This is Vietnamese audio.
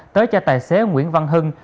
tới cho tài xế nguyễn văn hưng